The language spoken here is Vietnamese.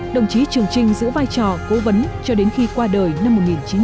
đồng chí trường trinh giữ vai trò cố vấn cho đến khi qua đời năm một nghìn chín trăm bảy mươi